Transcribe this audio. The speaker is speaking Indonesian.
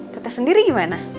teteh sendiri gimana